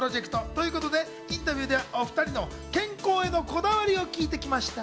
健康がテーマのプロジェクトということで、インタビューではお２人の健康へのこだわりを聞いてきました。